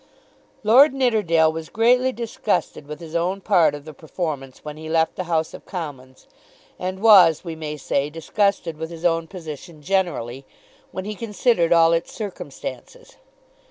Lord Nidderdale was greatly disgusted with his own part of the performance when he left the House of Commons, and was, we may say, disgusted with his own position generally, when he considered all its circumstances.